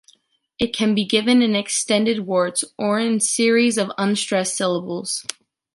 It can be given in extended words or in series of unstressed syllables.